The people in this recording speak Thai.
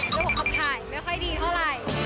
บอกว่าเขาถ่ายไม่ค่อยดีเท่าไหร่